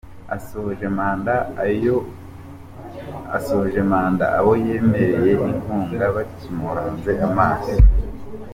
Asoje manda abo yemereye inkunga bakimuhanze amaso.